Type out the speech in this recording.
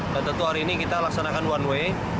nah tentu hari ini kita laksanakan one way